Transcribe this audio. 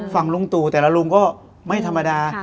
ฝั่งลุงตู่แต่ละลุงก็ไม่ธรรมดา